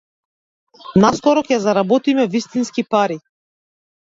Наскоро ќе заработиме вистински пари.